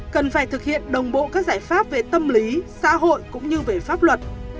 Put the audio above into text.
cần phải thực hiện đồng bộ các giải pháp về tâm lý xã hội cũng như về pháp luật